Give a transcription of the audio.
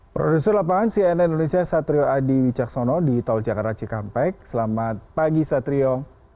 produser lapangan cnn indonesia satrio adi wicaksono di tol jakarta cikampek selamat pagi satrio